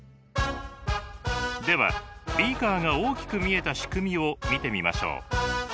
ではビーカーが大きく見えた仕組みを見てみましょう。